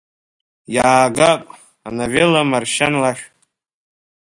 Иаагап, ановелла Маршьан Лашә.